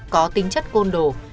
có tính chất côn đồ